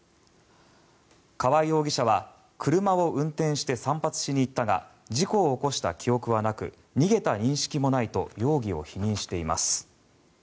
川合容疑者は車を運転して散髪しに行ったが事故を起こした記憶はなく逃げた認識もないと容疑を否認しています。